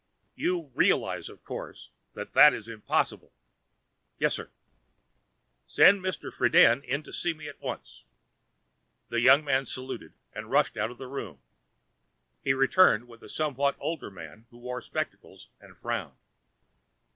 "You realize, of course, that that is impossible?" "Yes sir." "Send Mr. Friden in to see me, at once." The young man saluted and rushed out of the room. He returned with a somewhat older man who wore spectacles and frowned.